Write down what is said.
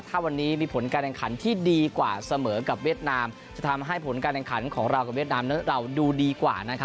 ถ้าวันนี้มีผลการแข่งขันที่ดีกว่าเสมอกับเวียดนามจะทำให้ผลการแข่งขันของเรากับเวียดนามนั้นเราดูดีกว่า